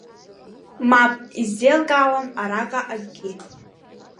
Мап, исзеилкаауам араҟа акгьы…